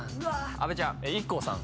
阿部ちゃんＩＫＫＯさん